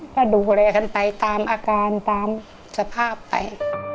ก็ดูแลกันไปตามอาการตามสภาพไป